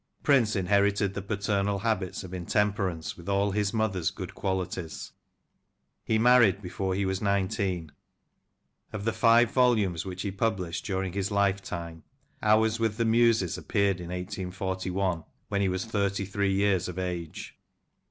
Prince in herited the paternal habits of intemperance with all his mother's good qualities. He married before he was nine teen. Of the five volumes which he published during his lifetime, "Hours with the Muses" appeared in 1841, when he was thirty three years of age.